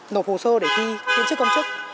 nộp hồ sơ để thi viên chức công chức